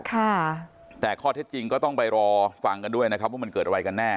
ค่ะแต่ข้อเท็จจริงก็ต้องไปรอฟังกันด้วยนะครับว่ามันเกิดอะไรกันแน่